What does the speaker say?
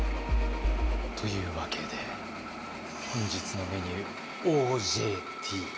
というわけで本日のメニュー「ＯＪＴ」。